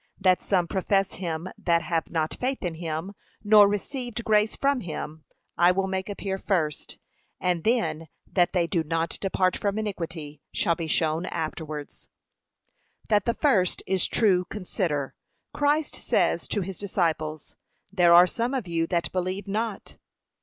That some profess him that have not faith in him, nor received grace from him, I will make appear first; and then that they do not depart from iniquity, shall be shown afterwards. That the first is true consider, Christ says to his disciples, 'There are some of you that believe not.'